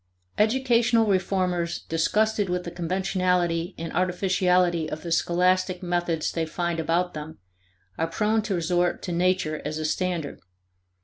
(1) Educational reformers disgusted with the conventionality and artificiality of the scholastic methods they find about them are prone to resort to nature as a standard.